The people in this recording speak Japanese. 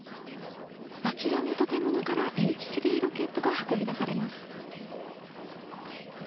あちらの建物から、Ｈ３ロケットが運び出されます。